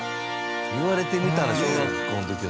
言われてみたら小学校の時は。